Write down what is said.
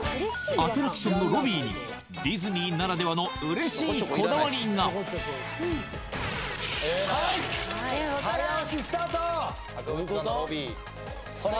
アトラクションのロビーにディズニーならではの嬉しいこだわりが博物館のロビーさあ